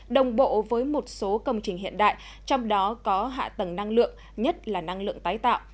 đồng bộ với một số công trình hiện đại trong đó có hạ tầng năng lượng nhất là năng lượng tái tạo